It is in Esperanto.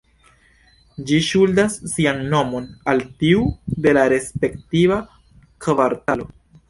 Ĝi ŝuldas sian nomon al tiu de la respektiva kvartalo.